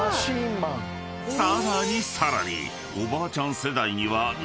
［さらにさらに］